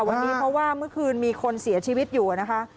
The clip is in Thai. วันนี้เพราะว่าเมื่อคืนมีคนเสียชีวิตอยู่นะคะ